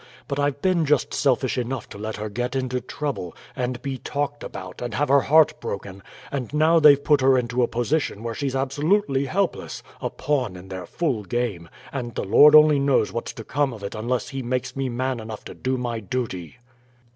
But I've been just selfish enough to let her get into trouble, and be talked about, and have her heart broken, and now they've put her into a position where she's absolutely helpless, a pawn in their fool game, and the Lord only knows what's to come of it all unless he makes me man enough to do my duty."